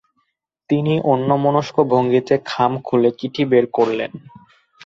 তিনি অন্যমনস্ক ভঙ্গিতে খাম, খুলে চিঠি বের করলেন।